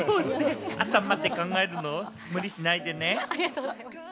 朝まで考えるの無理しないでね。